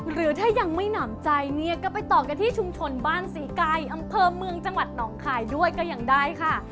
หรือถ้ายังไม่หนำใจเนี่ยก็ไปต่อกันที่ชุมชนบ้านศรีไก่อำเภอเมืองจังหวัดหนองคายด้วยก็ยังได้ค่ะ